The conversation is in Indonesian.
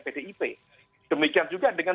pdip demikian juga dengan